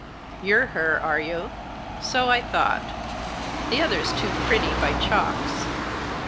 " You're her, are you ? So I thought. The other's too pretty, by chalks.